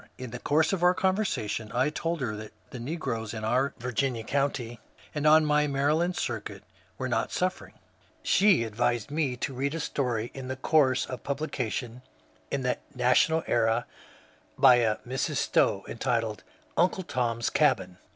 In the course of our conversation I told her that the negroes in our Virginia county, and on my Maryland circuit, were not suffering. She advised me to read a story in course of publication in the ^ National Era " by a Mrs. Stowe, entitled *^ Uncle Tom's Cabin."